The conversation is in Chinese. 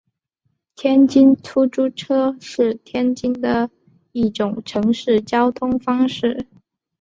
天津出租车是天津的一种城市交通方式。